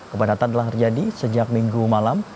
kepadatan telah terjadi sejak minggu malam